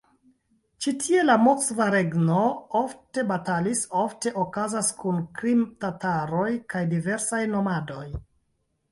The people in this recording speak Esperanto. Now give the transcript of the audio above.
Ĉi tie la Moskva Regno ofte batalis ofte okazis kun krime-tataroj kaj diversaj nomadoj.